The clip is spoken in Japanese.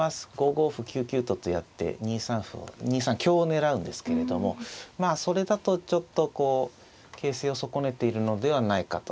５五歩９九ととやって２三香を狙うんですけれどもまあそれだとちょっとこう形勢を損ねているのではないかと。